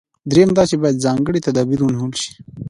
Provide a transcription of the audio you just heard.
درېیم دا چې باید ځانګړي تدابیر ونیول شي.